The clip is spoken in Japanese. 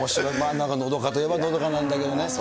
のどかといえばのどかなんだけどね。